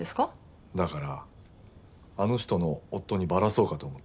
だからあの人の夫にバラそうかと思って。